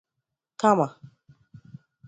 Kama